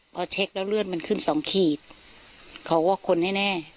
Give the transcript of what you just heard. พอเช็คแล้วเลือดมันขึ้นสองขีดเขาว่าคนแน่